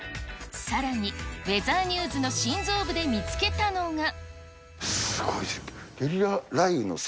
さらに、ウェザーニューズの心臓部で見つけたのが。